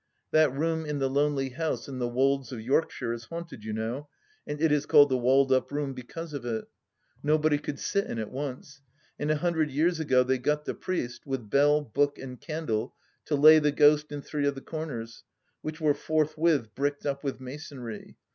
That room in the lonely house in the wolds of Yorkshire is haunted, you know, and it is called the Walled up Room because of it. Nobody could sit in it, once ; and a hundred years ago they got the priest, with bell, book, and candle, to lay the ghost in three of the comers, which were forthwith bricked up with masonry.